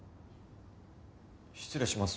失礼します。